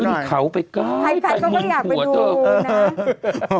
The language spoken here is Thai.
บีบบบบขึ้นเขาไปก้ายไครก็ไม่อยากไปดูนะ